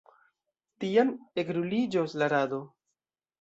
Tiam ekruliĝos la rado.